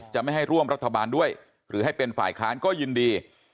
จะไม่ให้ร่วมรัฐบาลด้วยหรือให้เป็นฝ่ายค้านก็ยินดี